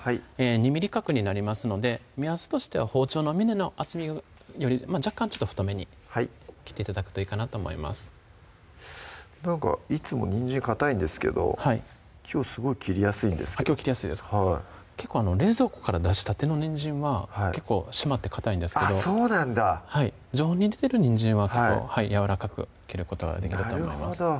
２ｍｍ角になりますので目安としては包丁の峰の厚みより若干太めに切って頂くといいかなと思いますなんかいつもにんじんかたいんですけどきょうすごい切りやすいんですけど冷蔵庫から出したてのにんじんは結構締まってかたいんですけどそうなんだはい常温に出てるにんじんはやわらかく切ることができると思います